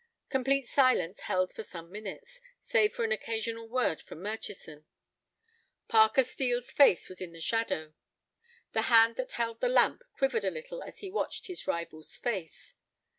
Complete silence held for some minutes, save for an occasional word from Murchison. Parker Steel's face was in the shadow. The hand that held the lamp quivered a little as he watched his rival's face.